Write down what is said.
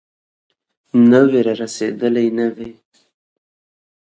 ناوې رارسېدلې نه وي.